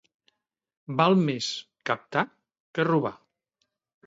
Val més captar que robar.